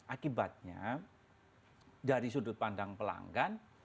akibatnya dari sudut pandang pelanggan